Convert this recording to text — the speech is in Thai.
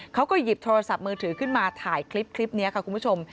เขาก็หยิบโทรศัพท์มือถือขึ้นมาถ่ายคลิปนี้ค่ะคุณผู้ชม